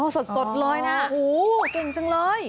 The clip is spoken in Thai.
อ๋อสดเลยนะโหเก่งจังเลย